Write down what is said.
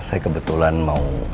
saya kebetulan mau